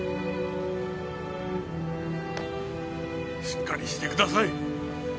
しっかりしてください。